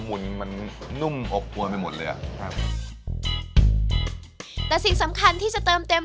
ซึ่งที่ร้านนะคะจะใช้กระดูกคอและใบเตยนำมาเคี่ยวไปเวลา๔ชั่วโมง